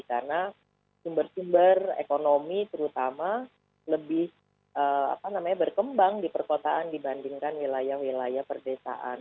karena sumber sumber ekonomi terutama lebih berkembang di perkotaan dibandingkan wilayah wilayah perdesaan